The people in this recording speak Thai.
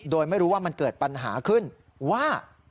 โดยไม่รู้ว่ามันเกิดปัญหาขึ้นว่า